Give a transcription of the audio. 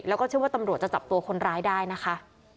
แล้วก็เชื่อว่าตำรวจจะจับตัวคนร้ายได้นะคะ